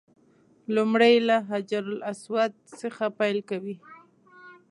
لومړی له حجر اسود څخه پیل کوي.